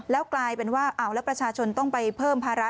แล้วกลายเป็นว่าเอาแล้วประชาชนต้องไปเพิ่มภาระ